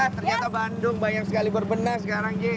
ternyata bandung banyak sekali berbenah sekarang je